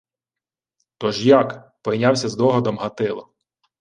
— Тож як? — пойнявся здогадом Гатило.